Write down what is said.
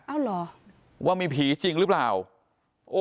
อ้าวรอว่ามีผีจริงหรือเปล่าว่าโห